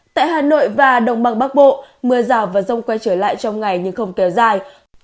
tại hà nội và đồng bằng bắc bộ mưa rào và rông quay trở lại trong ngày nhưng không kéo dài